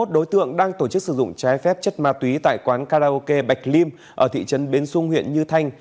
hai mươi đối tượng đang tổ chức sử dụng trái phép chất ma túy tại quán karaoke bạch lim ở thị trấn bến xung huyện như thanh